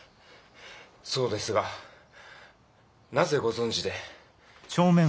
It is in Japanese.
そうですがなぜご存じで？